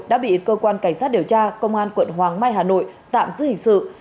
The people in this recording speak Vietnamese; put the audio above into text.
đã bị cơ quan cảnh sát điều tra công an quận hoàng mai hà nội tạm giữ hình sự